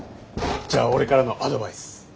じゃあ俺からのアドバイス。